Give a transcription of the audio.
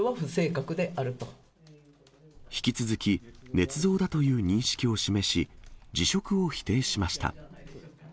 引き続き、ねつ造だという認識を示し、辞職を否定しました。